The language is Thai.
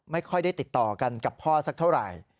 ไม่ค่อยได้ติดต่อกันกับพ่อสักเท่าไหร่